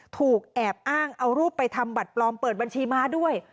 ถูกแอบอ้างเอารูปไปทำบัตรปลอมเปิดบัญชีม้าด้วย